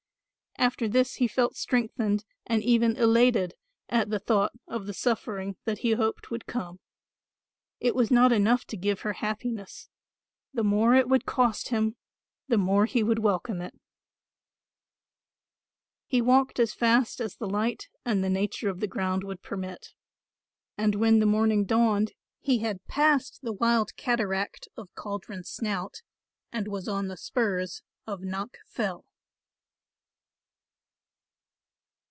After this he felt strengthened and even elated at the thought of the suffering that he hoped would come. It was not enough to give her happiness, the more it would cost him, the more he would welcome it. He walked as fast as the light and the nature of the ground would permit, and when the morning dawned he had passed the wild cataract of Caldron Snout and was on the spurs of Knock Fell.